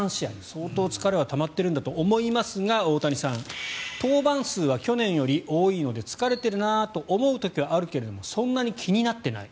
相当疲れがたまっていると思いますが大谷さん、登板数は去年より多いので疲れてるなと思う時はあるけれどそんなに気になってない。